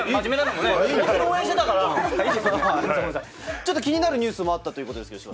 ちょっと気になるニュースもあったということですけれども？